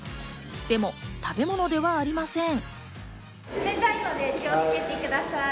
でも食べ物ではありません。